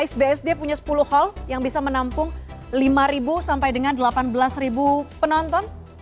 is bsd punya sepuluh hall yang bisa menampung lima sampai dengan delapan belas penonton